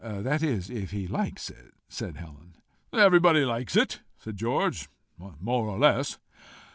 "That is if he likes it," said Helen. "Everybody likes it," said George, " more or less."